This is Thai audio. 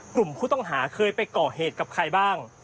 กลุ่มผู้ต้องหาเคยไปก่อเหตุกับใครบ้าง